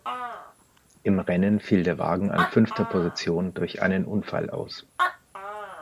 Im Rennen fiel der Wagen an fünfter Position durch einen Unfall aus.